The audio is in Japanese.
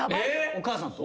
お母さんと？